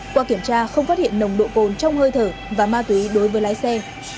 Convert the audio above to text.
qua kiểm tra không phát hiện nồng độ cồn trong hơi thở và ma túy đối với lái xe